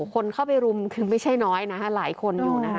คนเข้าไปรุมคือไม่ใช่น้อยนะคะหลายคนอยู่นะคะ